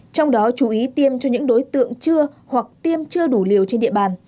trong đó chú ý tiêm cho những đối tượng chưa hoặc tiêm chưa đủ liều trên địa bàn